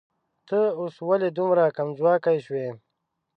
ته اوس ولې دومره کمځواکی شوې